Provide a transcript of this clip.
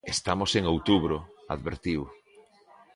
"Estamos en outubro", advertiu.